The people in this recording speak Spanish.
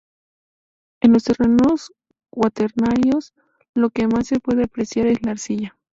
En los terrenos cuaternarios lo que más se puede apreciar es la arcilla.